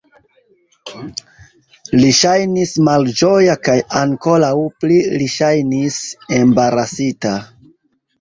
Li ŝajnis malĝoja kaj ankoraŭ pli li ŝajnis embarasita.